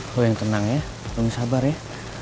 lo yang tenang ya lo yang sabar ya